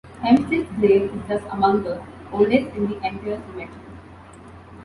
Hempstead's grave is thus among the oldest in the entire cemetery.